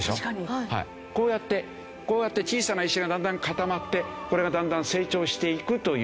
こうやってこうやって小さな石がだんだん固まってこれがだんだん成長していくという。